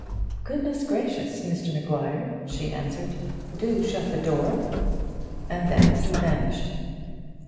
"Goodness gracious, Mr Maguire," she answered, "do shut the door;" and then he vanished.